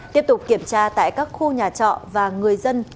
tiếp tục kiểm tra tại các khu nhà trọ và người dân